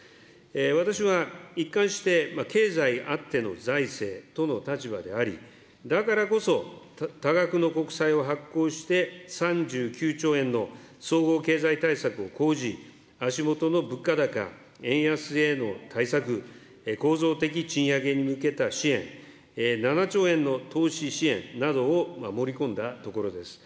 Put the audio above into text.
私は一貫して、経済あっての財政との立場であり、だからこそ、多額の国債を発行して、３９兆円の総合経済対策を講じ、足下の物価高、円安への対策、構造的賃上げに向けた支援、７兆円の投資支援などを盛り込んだところです。